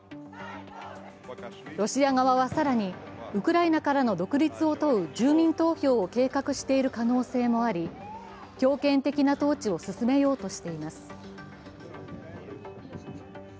ロシア側は更に、ウクライナからの独立を問う住民投票を計画している可能性もあり強権的な統治を進めようとしています。